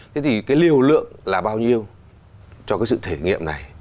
thế thì cái liều lượng là bao nhiêu cho cái sự thể nghiệm này